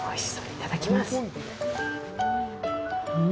いただきます。